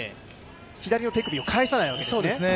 左の手首を返さないわけですね。